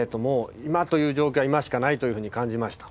今という状況は今しかないと感じました。